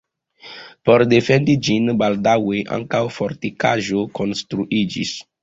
Por defendi ĝin, baldaŭe ankaŭ fortikaĵo konstruiĝis.